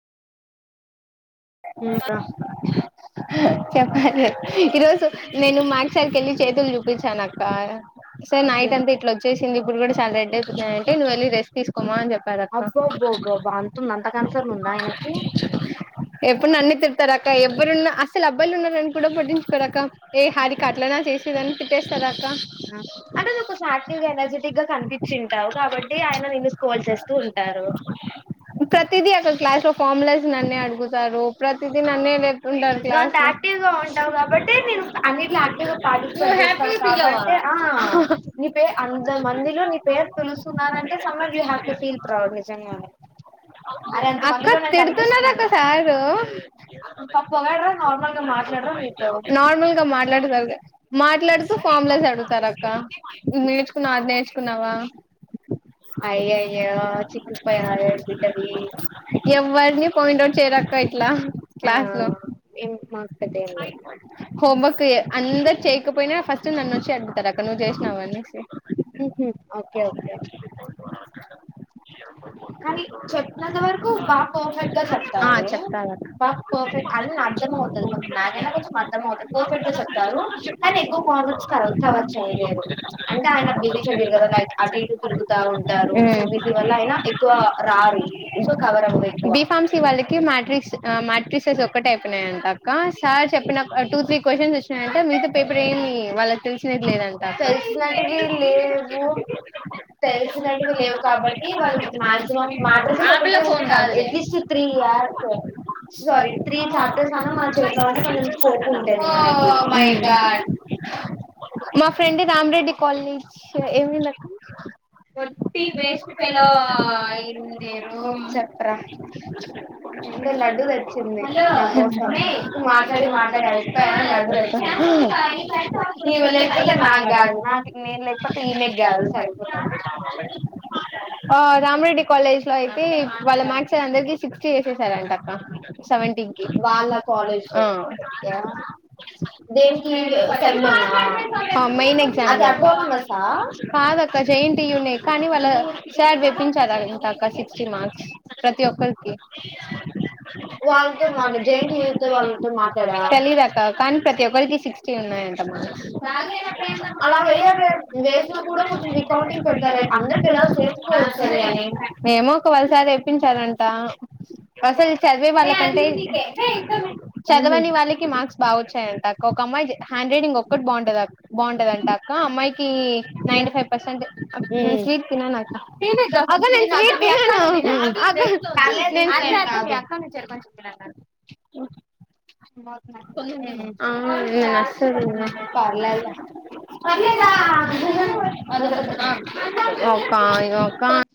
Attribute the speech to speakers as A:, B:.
A: [unintelligible] చెప్పాలి ఈరోజు నేను మ్యాథ్స్ సార్ కెళ్ళి చేతులు జూపించానక్క సార్ నైట్ అంత ఇట్లొచ్చేసింది ఇప్పుడు గూడా సార్ హెడెక్ ఉన్నదంటే నువ్ వెళ్ళి రెస్ తీసుకోమ అని జెప్ [unintelligible] ఎప్పుడు నన్నే తిడతారక్క ఎవ్వరున్న అసలు అబ్బాయిలు ఉన్నారని కూడా పట్టించుకోరాక ఏ హారిక అట్లానా చే తిడతారు అ ఒక ఎనర్జెటిక్ గా కనిపించింటారు కాబట్టి ఆయన నిదుర్కోవచ్చ ప్రతిదీ అక క్లాస్ లోఫ్ ఫార్ములస్ నన్నే అగుతు సారు ప్రతిదినన్న ఉండను క్లాస్ హ్యాపీగా ఉంటాం కాబట్టి నేను అన్నిటి హ్యాపీగా ఫీల్ అవ్వాల అంత మందిలో నే పేరు పిలుసున్నారంటే సెపరేటు హ కాదు
B: నిజం గా నే
A: అరే అక్క తిడతున్న అక్క సారు
B: వడ
A: నార్మల్ గా మాట్లాడతారు మాట్లాడుతూ ఫామ్లస్ అడుగుతారు అక్క ఇ నేర్చుకున్నా అద నేర్చుకున్నావా అయ్యాయో ఇ ఎవ్వరిని పోయిట్ చేరక్క ఇట్లా క్లాస్ లో హోమ్ వర్క్ అందరు చేయకపోయినా ఫస్ట్ నన్ను వచ్చి అడుగుతారు అక్కడ చేసి నవ అనేసి చెప్పే అంతా వరకు పర్ఫెక్ట్ గా చెప్పారు ఆ చెప్తా అది నిజం అవటదు మం మర్ద్దం అదు చెప్తా కానీ ఎక్కువ కాల్చ్చు [unintelligible] అంటే ఆయన బిల్ అ [unintelligible] వాళ్ళకి మాట్రిక్స్ మా్యాట్రిక్ సెస్ ఒక్కటి అయితున్నాయియ అంట అక్క సార్ చెప్పిన టూ త్రీ క్వశ్చన్స్ వచ్చ అంటే మీతో పేపర్ ఏమి వాళ్ళ చూసినది లేదంట అ తెలిసిన లేవు కాబట్టి వాళ్ళతే మాక్సిమమామ ఫోన్ కాాల
B: తీ యార్స్ సారీ త్రీ చాప్టర్స్ అన్నా మన చేతిలో ఉంటే కొంచెం స్కోప్ ఉంటేది మనకి
A: మా ఫ్రెండ్ రామరెడ్ కాలేజీ ఏవి
B: ఒట్టి వేస్ట్ ఫెల్లో చెప్రా
A: ఇప్పుడ లడ్డు తెట్టుకుంది మాట్లాడి మాట్లాడి అయిపోయా లడ్డు తె నాదుదు రామరెడ్డి కాలేజ్ లో అయితే వాళ్ళ మ్యాక్స్ అందరిక సిక్స్టీ చేసేసారంట అక్క సెవెంటీ కి మయిన్ ఎక్జాన్ కాద ఇ జయింటి యూనే కానీ వాళ్ళ సార్ తెప్పించారు అంతాకా సిక్స్టీ మార్క్స్ ప్రతి ఒక్కరికి వాళ్ళతో వాళ్ళతో మా తెలిదక కానీ ప్రతి ఒక్కరికి సిక్స్టీ ఉన్నాయండి అలాయ వే కూడాే అన్న నేమో ఒక వళసారి తెప్పించాలంట అసలు చదివే వాళ్ళకంటే చదవని వాళ్ళకి మార్క్స్ బా వచ్చాయంటా ఒక మ హ్యాండ్ రైటింగ్ ఒక్కటి బాగుంటదిఅక్క అమ్మాయికి నైీ ఫైవ్ పర్సెంట్ నేన్ స్వీట్ తినను అక్క అక్క నేన్ స్వీట్ తినను అక్క నేన్ తిన్
B: పర్లేదుల్